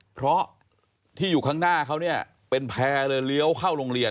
เพราะที่อยู่ข้างหน้าเขาเป็นแพรเลียวเข้าโรงเรียน